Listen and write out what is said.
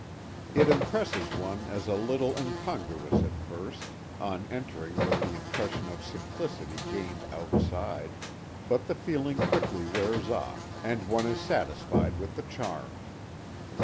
It impresses one as a little incongruous at first, on entering with the impression of simplicity gained outside; but the feeling quickly wears off, and one is satisfied with the charm.